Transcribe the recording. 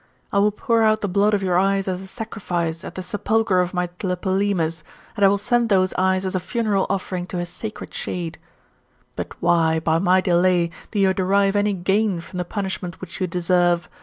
I will pour out the blood of your eyes as a sacrifice at the sepulchre of my Tlepolemus, and I will send those eyes as a funeral offering to his sacred shade. But why, by my delay, do you derive any gain from the punishment which you deserve?